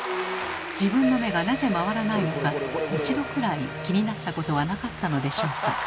自分の目がなぜ回らないのか一度くらい気になったことはなかったのでしょうか？